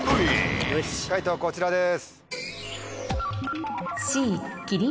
解答こちらです。